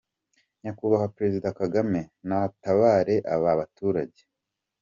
Nyakubahwa Prezida Kagame natabare aba baturage.